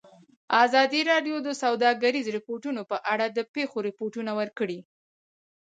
ازادي راډیو د سوداګریز تړونونه په اړه د پېښو رپوټونه ورکړي.